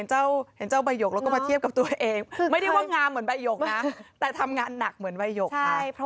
เห็นเจ้าใบหยกแล้วก็มาเทียบกับตัวเองไม่ได้ว่างามเหมือนใบหยกนะแต่ทำงานหนักเหมือนใบหยกค่ะ